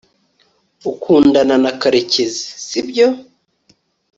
ukundana na karekezi, sibyo